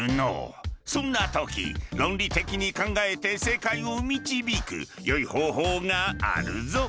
そんな時論理的に考えて正解を導くよい方法があるぞ。